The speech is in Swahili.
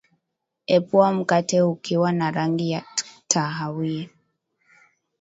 epua mkate ukiwa na rangi ta kahawia